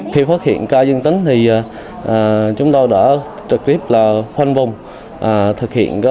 khi phát hiện ca dương tính thì chúng tôi đã trực tiếp là khoanh vùng